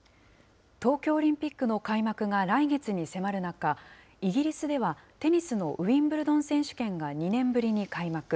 東京オリンピックの開幕が来月に迫る中、イギリスでは、テニスのウィンブルドン選手権が２年ぶりに開幕。